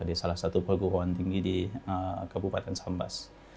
di salah satu perguruan tinggi di kabupaten sambas